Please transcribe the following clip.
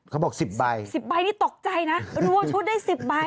เขาบอก๑๐ใบ๑๐ใบนี่ตกใจนะรวมชุดได้๑๐ใบ